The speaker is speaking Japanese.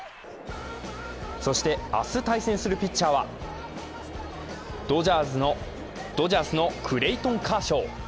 そして明日対戦するピッチャーはドジャースのクレイトン・カーショウ。